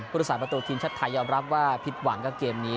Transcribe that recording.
ผู้โดยสารประตูทีชัดไทยยอมรับว่าผิดหวังกับเกมนี้